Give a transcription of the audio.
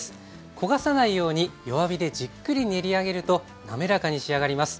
焦がさないように弱火でじっくり練り上げると滑らかに仕上がります。